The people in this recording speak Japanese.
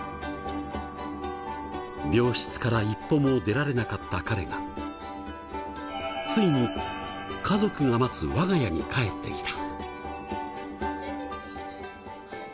病室から一歩も出られなかった彼がついに家族が待つ我が家に帰ってきた。